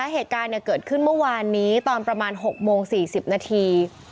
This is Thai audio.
เหตุการณ์เกิดขึ้นเมื่อวานนี้ตอนประมาณ๖โมง๔๐นาที